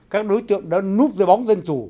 các đối tượng đã núp dưới bóng dân chủ